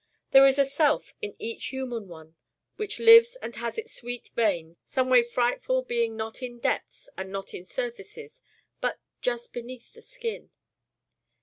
there is a Self in each human one which lives and has its sweet vain someway frightful being not in depths and not in surfaces but Just Beneath The Skin.